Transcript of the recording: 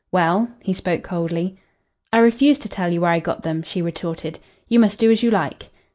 "Well?" He spoke coldly. "I refuse to tell you where I got them," she retorted. "You must do as you like."